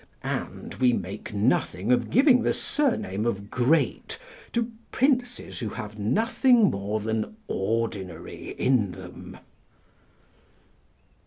And we make nothing of giving the surname of great to princes who have nothing more than ordinary in them.